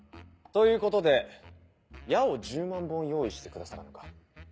ということで矢を１０万本用意してくださらぬか。